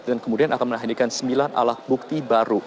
dan kemudian akan menghadirkan sembilan alat bukti baru